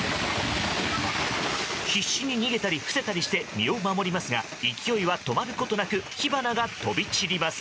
必死に逃げたり伏せたりして身を守りますが勢いは止まることなく火花が飛び散ります。